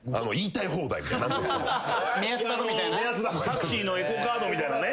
タクシーのエコーカードみたいなね。